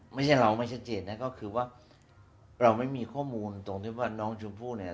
ไม่ใช่เราไม่ชัดเจนนะก็คือว่าเราไม่มีข้อมูลตรงที่ว่าน้องชมพู่เนี่ย